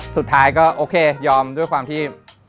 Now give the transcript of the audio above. สุดท้ายก็โอเคยอมด้วยความที่